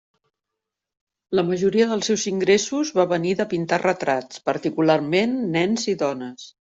La majoria dels seus ingressos va venir de pintar retrats, particularment nens i dones.